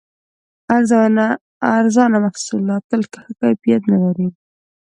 ارزانه محصولات تل ښه کیفیت نه لري.